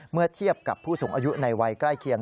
เมื่อเทียบกับผู้สูงอายุในวัยใกล้เคียง